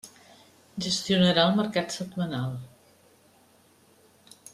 Gestionarà el mercat setmanal.